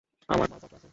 আমার মালপত্র আছে।